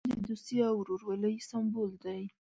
افغان د دوستي او ورورولۍ سمبول دی.